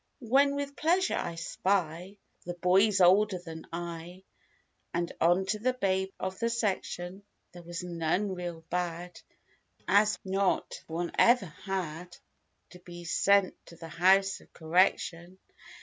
When with pleasure I spy, the boys older than I; And on to the babe of the section ; There was none real bad as not one ever had To be sent to the "House of Correction."